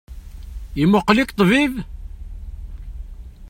Imuqel-ik ṭṭbib?